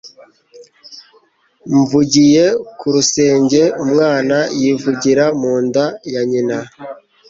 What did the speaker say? Nvugiye ku rusenge umwana yivugira mu nda ya nyina